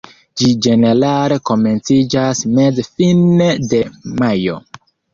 Ĝi ĝenerale komenciĝas meze-fine de majo.